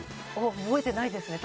覚えてないですね。